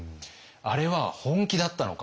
あれは本気だったのか